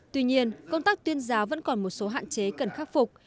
tuy nhiên công tác tuyên giáo vẫn còn một số hạn chế cần khắc phục